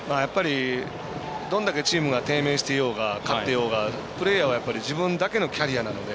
どんだけチームが低迷してようが勝ってようがプレーヤーは自分だけのキャリアなので。